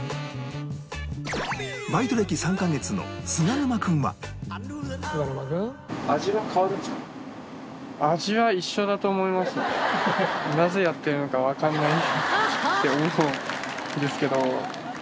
バイト歴３カ月の菅沼君はって思うんですけど。